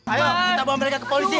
ayo kita bawa mereka ke polisi